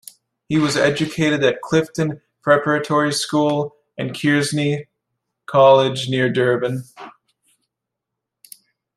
He was educated at Clifton Preparatory School and Kearsney College near Durban.